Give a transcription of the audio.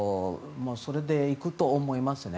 それでいくと思いますね。